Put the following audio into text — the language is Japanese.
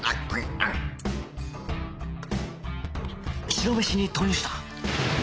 白飯に投入した